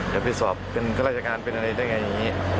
จะไปสอบเป็นข้าราชการเป็นอะไรได้ไงอย่างนี้